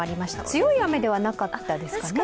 強い雨ではなかったですかね？